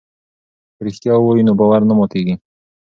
که رښتیا ووایو نو باور نه ماتیږي.